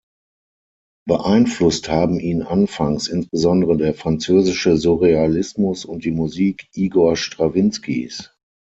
Beeinflusst haben ihn anfangs insbesondere der französische Surrealismus und die Musik Igor Strawinskis.